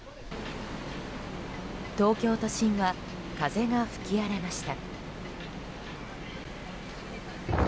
東京都心は風が吹き荒れました。